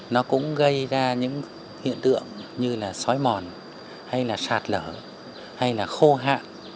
nó cũng gây ra những hiện tượng như là sói mòn hay là sạt lở hay là khô hạ